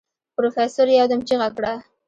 پروفيسر يودم چيغه کړه.